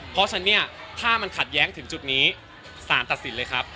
เพราะฉะนั้นเนี่ยถ้ามันขัดแย้งถึงจุดนี้สารตัดสินเลยครับ